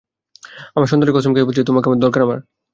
আমার সন্তানের কসম খেয়ে বলছি, তোমাকে দরকার আমার!